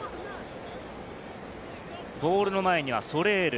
ボールの前にはソレール。